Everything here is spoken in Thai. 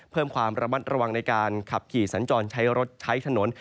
เพิ่มความระมัดระวังในการขับขี่สัญจรใช้รถใช้ถนน